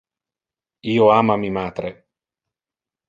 Io ama mi matre.